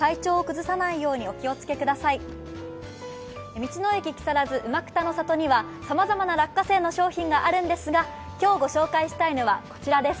道の駅木更津うまくたの里にはさまざまな落花生の商品があるんですが今日ご紹介したい商品はこちらです。